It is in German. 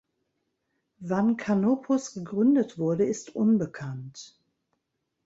Wann Kanopus gegründet wurde, ist unbekannt.